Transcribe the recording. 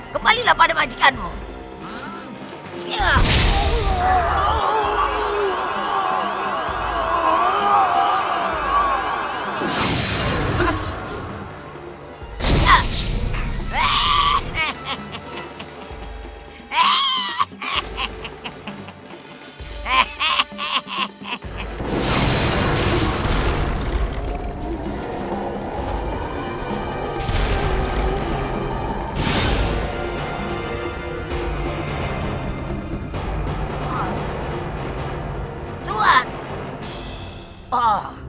kembalilah pada majikanmu